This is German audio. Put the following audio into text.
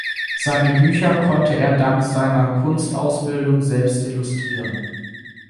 Seine Bücher konnte er dank seiner Kunstausbildung selbst illustrieren.